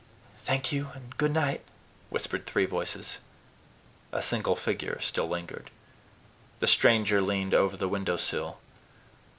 "Thank you and good night!" whispered three voices. A single figure still lingered. The stranger leaned over the window sill.